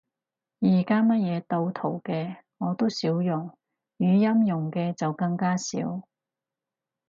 而家乜嘢鬥圖嘅，我都少用，語音用嘅就更加少